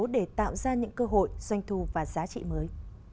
để tạo ra những cơ hội doanh thu và giá trị mới